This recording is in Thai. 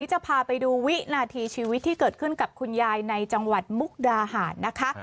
จะพาไปดูวินาทีชีวิตที่เกิดขึ้นกับคุณยายในจังหวัดมุกดาหารนะคะ